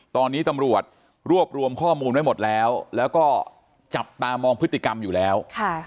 ตอนนี้ตำรวจรวบรวมข้อมูลไว้หมดแล้วแล้วก็จับตามองพฤติกรรมอยู่แล้ว